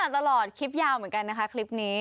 ตลอดคลิปยาวเหมือนกันนะคะคลิปนี้